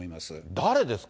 誰ですか？